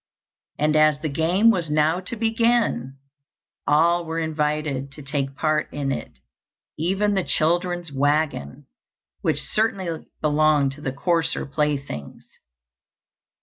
And as the game was now to begin, all were invited to take part in it, even the children's wagon, which certainly belonged to the coarser playthings.